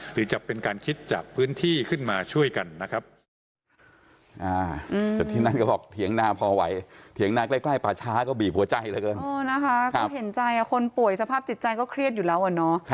หรือจะเป็นการคิดจากพื้นที่ขึ้นมาช่วยกันนะครับ